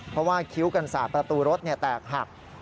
เพราะว่าคิ้วกันสาดประตูรถแตกหัก